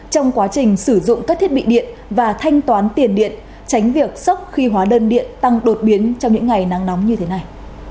trong quá trình sử dụng các thiết bị điện và thanh toán tiền điện tránh việc sốc khi hóa đơn điện tăng đột biến trong những ngày nắng nóng như thế này